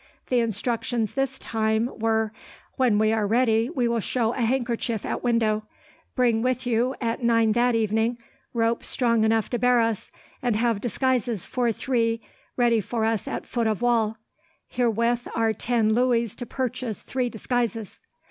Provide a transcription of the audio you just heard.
The instructions this time were: When we are ready, we will show a handkerchief at window. Bring with you, at nine that evening, rope strong enough to bear us, and have disguises for three ready for us at foot of wall. Herewith are ten louis to purchase three disguises.